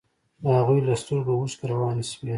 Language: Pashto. د هغوى له سترګو اوښكې روانې سوې.